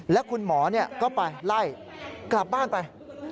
แล้วคุณหมอก็ไปไล่กลับบ้านไป